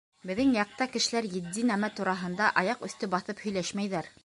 Беҙҙең яҡта кешеләр етди нәмә тураһында аяҡ өҫтө баҫып һөйләшмәйҙәр.